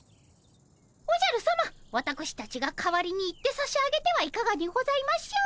おじゃるさまわたくしたちが代わりに行ってさしあげてはいかがにございましょう。